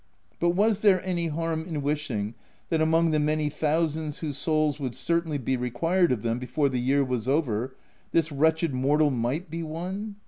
But was there any harm in wishing that, among the many thou sands whose souls would certainly be required of them before the year was over, this wretched mortal might be one